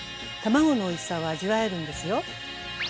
卵のおいしさを味わえるんですよ！